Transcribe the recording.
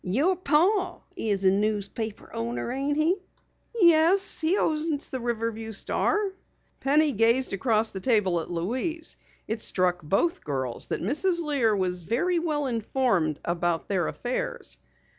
"Your pa's a newspaper owner, ain't he?" "Yes, he owns the Riverview Star." Penny gazed across the table at Louise. It struck both girls that Mrs. Lear was very well informed about their affairs.